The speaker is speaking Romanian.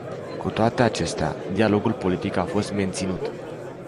Cu toate acestea, dialogul politic a fost menținut.